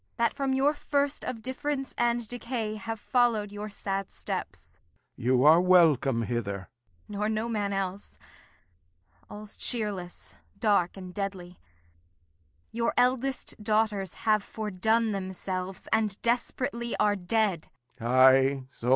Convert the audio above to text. That from your first of difference and decay Have followed your sad steps. Lear. You're welcome hither. Kent. Nor no man else! All's cheerless, dark, and deadly. Your eldest daughters have fordone themselves, And desperately are dead.